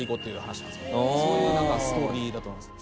そういうストーリーだと思います。